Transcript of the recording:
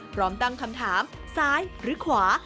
พร้อมตั้งคำถามซ้ายหรือขวา